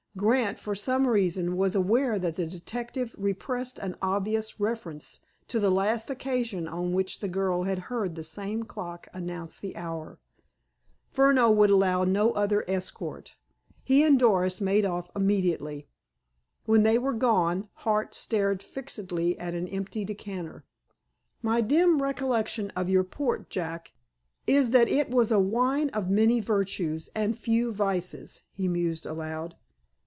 Grant, for some reason, was aware that the detective repressed an obvious reference to the last occasion on which the girl had heard that same clock announce the hour. Furneaux would allow no other escort. He and Doris made off immediately. When they were gone, Hart stared fixedly at an empty decanter. "My dim recollection of your port, Jack, is that it was a wine of many virtues and few vices," he mused aloud.